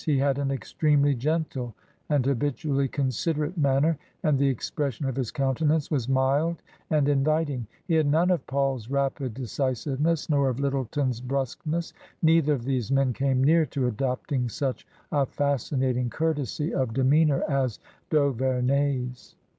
He had an extremely gentle and habitually considerate manner, and the expression of his countenance was mild and inviting. He had none of Paul's rapid decisiveness nor of Lyttleton*s brusqueness; neither of these men came near to adopting such a fascinating courtesy of demeanour as d'Auverney's.